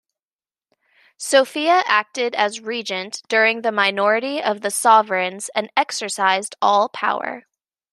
Sophia acted as regent during the minority of the sovereigns and exercised all power.